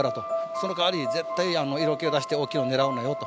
そのかわり絶対色気を出して大きいのを狙うなよと。